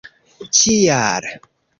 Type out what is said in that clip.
ĉial